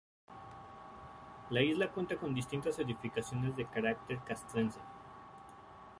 La isla cuenta con distintas edificaciones de carácter castrense.